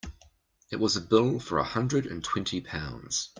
It was a bill for a hundred and twenty pounds.